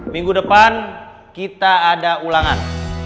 minggu depan kita ada ulangan